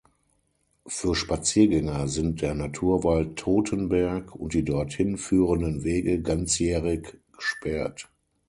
Für Spaziergänger sind der Naturwald "Totenberg" und die dorthin führenden Wege ganzjährig gesperrt.